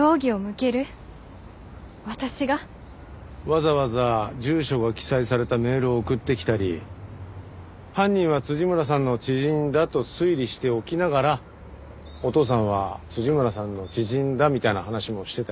わざわざ住所が記載されたメールを送ってきたり犯人は村さんの知人だと推理しておきながらお父さんは村さんの知人だみたいな話もしてたよね。